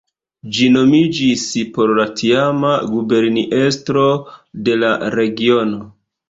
Ĝi nomiĝis por la tiama guberniestro de la regiono.